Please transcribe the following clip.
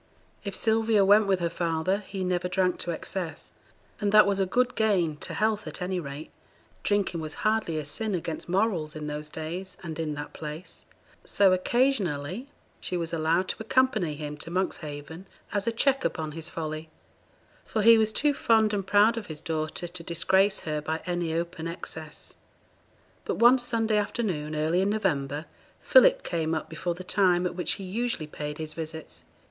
If Sylvia went with her father, he never drank to excess; and that was a good gain to health at any rate (drinking was hardly a sin against morals in those days, and in that place); so, occasionally, she was allowed to accompany him to Monkshaven as a check upon his folly; for he was too fond and proud of his daughter to disgrace her by any open excess. But one Sunday afternoon early in November, Philip came up before the time at which he usually paid his visits.